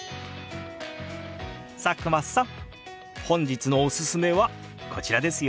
佐久間さん本日のおすすめはこちらですよ。